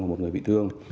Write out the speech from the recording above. và một người bị thương